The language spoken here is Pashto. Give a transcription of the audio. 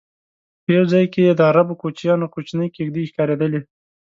په یو ځای کې د عربو کوچیانو کوچنۍ کېږدی ښکارېدلې.